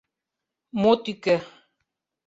— Мо тӱкӧ?